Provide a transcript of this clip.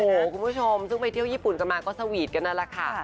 โอ้โหคุณผู้ชมซึ่งไปเที่ยวญี่ปุ่นกันมาก็สวีทกันนั่นแหละค่ะ